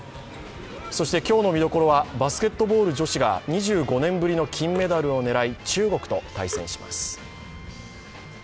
そして、今日の見どころはバスケットボール女子が２５年ぶりの金メダルを狙い、中国と対戦します。